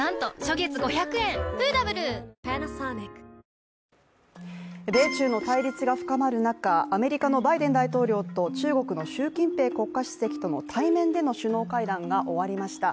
フーダブル米中の対立が深まる中アメリカのバイデン大統領と中国の習近平国家主席との対面での首脳会談が終わりました。